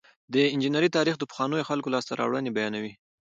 د انجنیری تاریخ د پخوانیو خلکو لاسته راوړنې بیانوي.